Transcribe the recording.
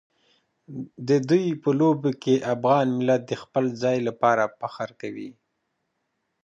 د دوی په لوبو کې افغان ملت د خپل ځای لپاره فخر کوي.